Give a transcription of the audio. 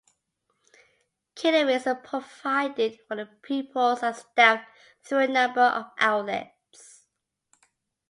Catering is provided for the pupils and staff through a number of outlets.